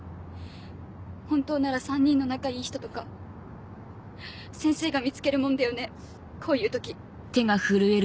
本当なら３人の仲いい人とか先生が見つけるもんだよねこういう時。